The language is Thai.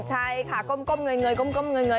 ใช่ค่ะก้มเงย